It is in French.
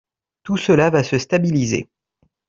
Tout cela va se stabiliser.